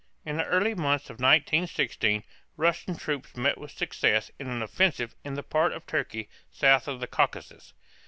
In the early months of 1916 Russian troops met with success in an offensive in the part of Turkey south of the Caucasus.